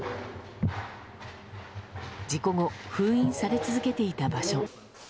事故後封印され続けていた場所。